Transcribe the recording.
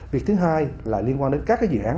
việc thứ hai là liên quan đến các dự án